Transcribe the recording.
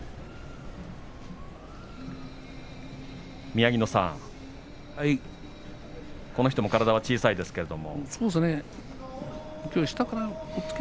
宮城野さん、この人も体は小さいですけれど。